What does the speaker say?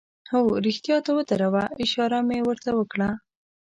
هو، رښتیا ته ودره، اشاره مې ور ته وکړه.